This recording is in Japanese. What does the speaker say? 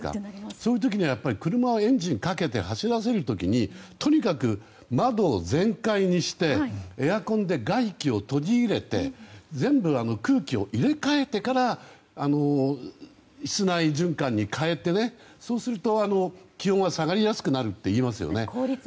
そういう時には車のエンジンかけて走らせる時にとにかく窓を全開にしてエアコンで外気を取り入れて全部空気を入れ替えてから室内循環に変えてそうすると、気温は下がりやすくなるといいますよね。